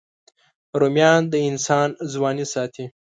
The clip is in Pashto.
رومیان د انسان ځواني ساتي